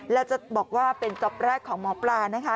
แล้วจะบอกว่าเป็นจ๊อปแรกของหมอปลานะคะ